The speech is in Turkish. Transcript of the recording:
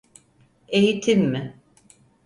Eğitim mi?